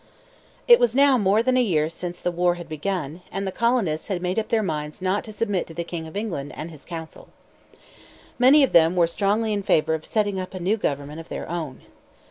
It was now more than a year since the war had begun, and the colonists had made up their minds not to submit to the king of England and his council. Many of them were strongly in favor of setting up a new government of their own.